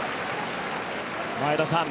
前田さん